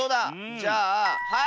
じゃあはい！